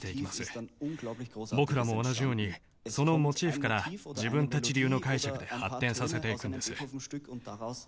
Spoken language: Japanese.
僕らも同じようにそのモチーフから自分たち流の解釈で発展させていくんです。